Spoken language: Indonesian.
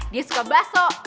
dia suka bakso